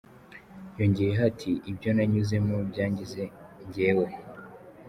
Yongeyeho ati "Ibyo nanyuzemo byangize njyewe.